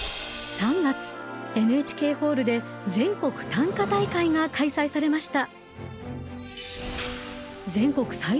３月ＮＨＫホールで全国短歌大会が開催されました。